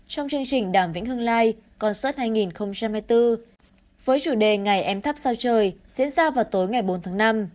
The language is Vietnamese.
trong chương trình đàm vĩnh hương lai concert hai nghìn hai mươi bốn với chủ đề ngày em thắp sao trời diễn ra vào tối ngày bốn tháng năm